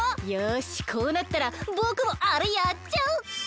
よしこうなったらぼくもあれやっちゃう！